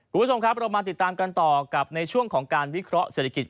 คุณผู้ชมครับเรามาติดตามกันต่อกับในช่วงของการวิเคราะห์เศรษฐกิจ